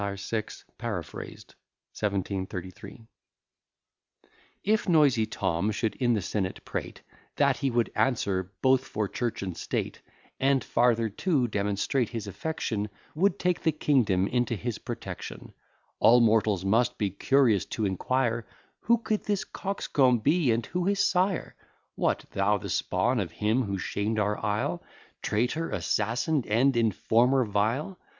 VI, PARAPHRASED 1733 If Noisy Tom should in the senate prate, "That he would answer both for church and state; And, farther, to demonstrate his affection, Would take the kingdom into his protection;" All mortals must be curious to inquire, Who could this coxcomb be, and who his sire? "What! thou, the spawn of him who shamed our isle, Traitor, assassin, and informer vile!